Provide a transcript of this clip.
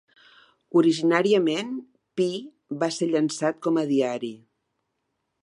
Originàriament, Pi va ser llançat com a diari.